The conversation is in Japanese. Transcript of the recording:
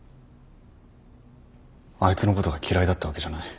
あいつのことが嫌いだったわけじゃない。